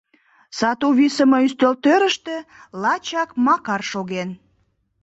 Сату висыме ӱстелтӧрыштӧ лачак Макар шоген.